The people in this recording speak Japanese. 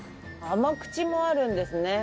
甘口もあるんですね。